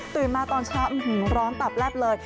มาตอนเช้าร้อนตับแลบเลย